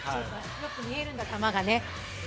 よく見えるんだ、球が。